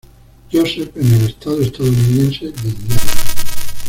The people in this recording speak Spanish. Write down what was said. Joseph en el estado estadounidense de Indiana.